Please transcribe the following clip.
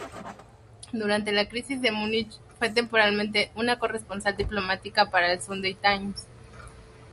Durante la Crisis de Múnich, fue temporalmente, una corresponsal diplomática para el Sunday Times.